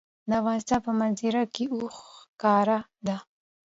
د افغانستان په منظره کې اوښ ښکاره ده.